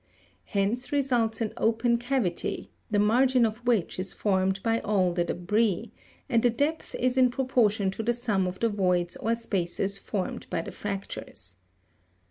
Hence results an open cavi ty (fig. 191), the margin of which is formed by all the debris, and the depth is in proportion to the sum of the voids or spaces formed by the fractures.